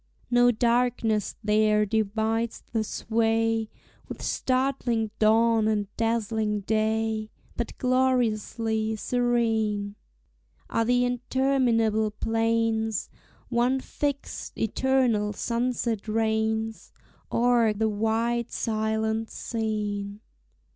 No darkness there divides the sway With startling dawn and dazzling day; But gloriously serene Are the interminable plains: One fixed, eternal sunset reigns O'er the wide silent scene.